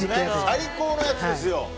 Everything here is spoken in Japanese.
最高のやつですよ！